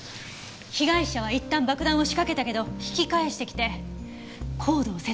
被害者はいったん爆弾を仕掛けたけど引き返してきてコードを切断したの。